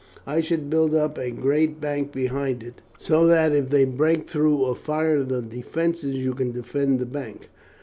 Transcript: I should build up a great bank behind it, so that if they break through or fire the defences you can defend the bank.